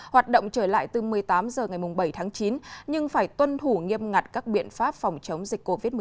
hoạt động trở lại từ một mươi tám h ngày bảy tháng chín nhưng phải tuân thủ nghiêm ngặt các biện pháp phòng chống dịch covid một mươi chín